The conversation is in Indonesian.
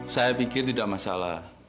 saya pikir tidak masalah